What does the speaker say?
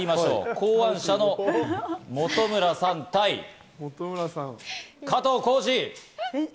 考案者の本村さん対加藤浩次。